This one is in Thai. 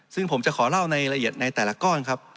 ซึ่งผมจะขอเล่าในละเอียดในแต่ละก้อนครับ